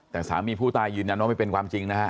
แต่สามีผู้ตายยืนยันว่าไม่เป็นความจริงนะฮะ